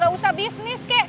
mau gak usah bisnis ke